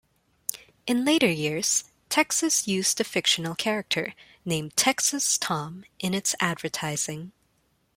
In later years, Texas used a fictional character, named "Texas Tom" in its advertising.